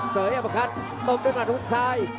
เตยอัพคัทตบด้วยกระทุ้งซ้าย